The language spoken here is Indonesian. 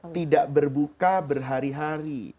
tidak berbuka berhari hari